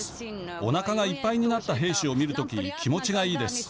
おなかがいっぱいになった兵士を見る時、気持ちがいいです。